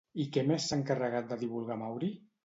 I què més s'ha encarregat de divulgar Mauri?